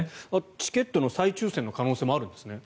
チケットの再抽選の可能性もあるんですね。